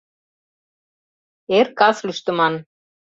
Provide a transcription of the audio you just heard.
Эр-кас лӱштыман.